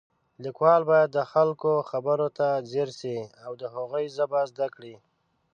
لیکوال باید د خلکو خبرو ته ځیر شي او د هغوی ژبه زده کړي